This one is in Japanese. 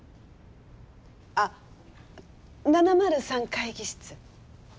あっ７０３会議室。